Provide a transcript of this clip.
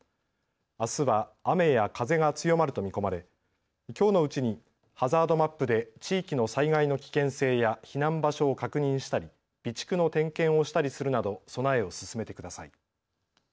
あすは雨や風が強まると見込まれきょうのうちにハザードマップで地域の災害の危険性や避難場所を確認したり備蓄の点検をしたりするなど備えを進めてください。